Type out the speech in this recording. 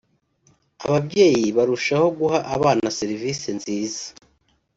Ababyeyi barushaho guha abana serivisi nziza